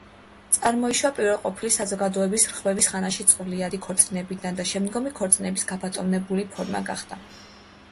წარმოიშვა პირველყოფილი საზოგადოების რღვევის ხანაში წყვილადი ქორწინებიდან და შემდომში ქორწინების გაბატონებული ფორმა გახდა.